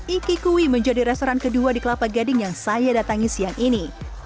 iki kui menjadi restoran kedua di kelapa gading yang saya datangi siang ini